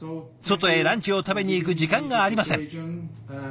外へランチを食べに行く時間がありません。